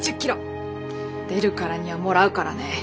出るからにはもらうからね！